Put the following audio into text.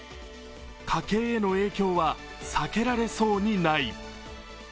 家計への影響は避けられそうにない。